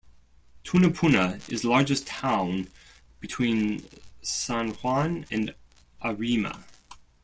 Tunapuna is the largest town between San Juan and Arima.